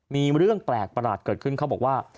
มีเรื่องแปลกประหลาดเกิดขึ้นเขาบอกว่า